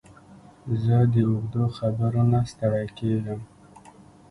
زه د اوږدو خبرو نه ستړی کېږم.